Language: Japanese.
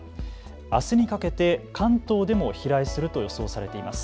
あすにかけて関東でも飛来すると予想されています。